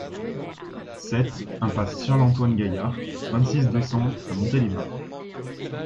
sept impasse Charles-Antoine Gailhard, vingt-six, deux cents à Montélimar